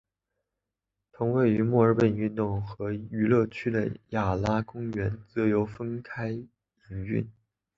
同位于墨尔本运动和娱乐区的雅拉公园则由分开营运。